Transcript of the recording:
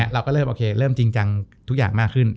เราก็เริ่มโอเคเริ่มจริงจังทุกอย่างมากขึ้น